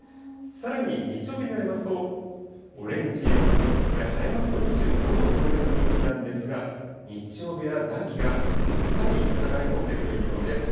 さらに日曜日になりますと、オレンジ色、これ、晴れますと２５度を超えるような空気なんですが、日曜日は暖気がさらに流れ込んでくる見込みです。